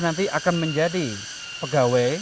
nanti akan menjadi pegawai